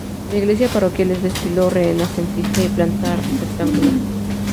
La Iglesia Parroquial es de estilo renacentista y planta rectangular.